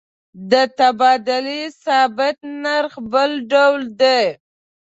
د تبادلې ثابت نرخ بل ډول دی.